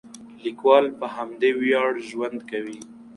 لیکوال په همدې ویاړ ژوند کوي.